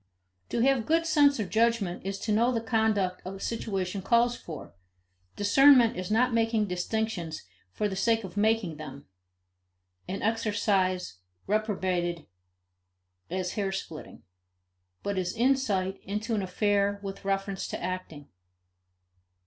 To have good sense or judgment is to know the conduct a situation calls for; discernment is not making distinctions for the sake of making them, an exercise reprobated as hair splitting, but is insight into an affair with reference to acting.